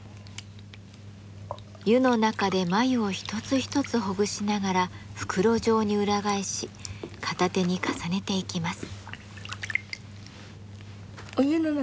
湯の中で繭を一つ一つほぐしながら袋状に裏返し片手に重ねていきます。